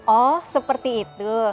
oh seperti itu